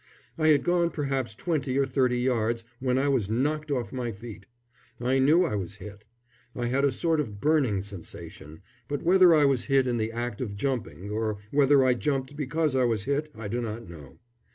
I had gone perhaps twenty or thirty yards when I was knocked off my feet. I knew I was hit. I had a sort of burning sensation; but whether I was hit in the act of jumping, or whether I jumped because I was hit, I do not know.